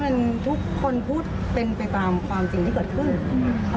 ไม่เลยค่ะทุกคนพูดเป็นไปตามความจริงที่เกิดขึ้น